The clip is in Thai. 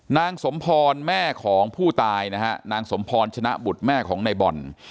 นางสมพรแม่ของผู้ตายนะฮะนางสมพรชนะบุตรแม่ของในบ่อน